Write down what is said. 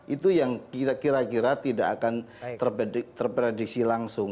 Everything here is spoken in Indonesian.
itu yang kira kira tidak akan terprediksi langsung